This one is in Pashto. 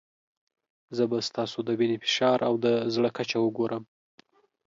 زه به ستاسو د وینې فشار او د زړه کچه وګورم.